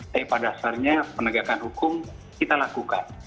tapi pada dasarnya penegakan hukum kita lakukan